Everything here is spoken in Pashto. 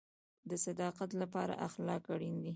د صداقت لپاره اخلاق اړین دي